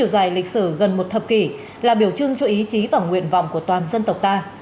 dài lịch sử gần một thập kỷ là biểu trưng cho ý chí và nguyện vọng của toàn dân tộc ta